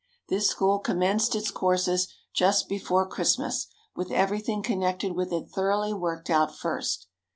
This school commenced its courses just before Christmas, with everything connected with it thoroughly worked out first.